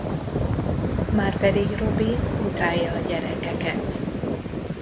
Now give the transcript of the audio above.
Márpedig Robin utálja a gyerekeket.